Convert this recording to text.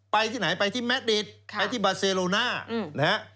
ไปที่ไหนไปที่แมทดิตไปที่บาเซโลน่านะฮะ